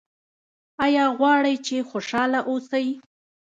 ایا غواړئ چې خوشحاله اوسئ؟